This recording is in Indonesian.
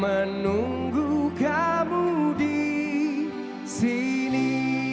menunggu kamu disini